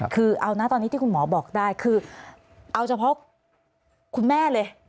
คือเอานะตอนนี้ที่คุณหมอบอกได้คือเอาเฉพาะคุณแม่เลย